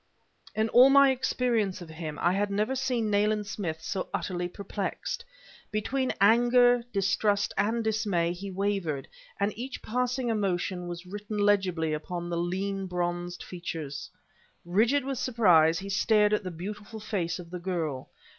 In all my experience of him, I had never seen Nayland Smith so utterly perplexed. Between anger, distrust and dismay, he wavered; and each passing emotion was written legibly upon the lean bronzed features. Rigid with surprise, he stared at the beautiful face of the girl.